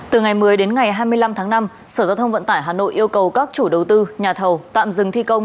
từ ngày một mươi đến ngày hai mươi năm tháng năm sở giao thông vận tải hà nội yêu cầu các chủ đầu tư nhà thầu tạm dừng thi công